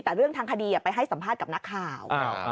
แต่เรื่องทางคดีไปให้สัมภาษณ์กับนักข่าว